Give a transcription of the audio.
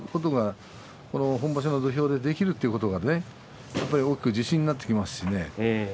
本場所の土俵でこういうことができるというのは大きく自信になってきますね。